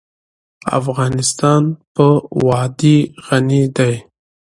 افغانستان په وادي غني دی.